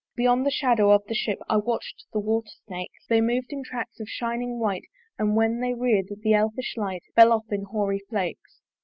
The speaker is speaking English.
Beyond the shadow of the ship I watch'd the water snakes: They mov'd in tracks of shining white; And when they rear'd, the elfish light Fell off in hoary flakes.